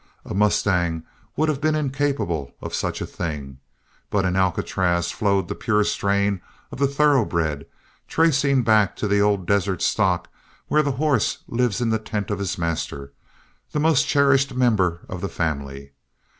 A mustang would have been incapable of such a thing, but in Alcatraz flowed the pure strain of the thoroughbred, tracing back to the old desert stock where the horse lives in the tent of his master, the most cherished member of the family.